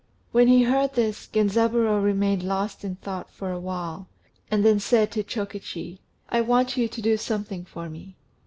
When he heard this, Genzaburô remained lost in thought for a while, and then said to Chokichi, "I want you to do something for me.